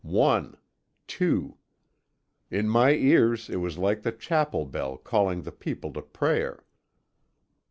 One, Two. In my ears it was like the chapel bell calling the people to prayer.